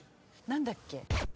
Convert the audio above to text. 何だっけ？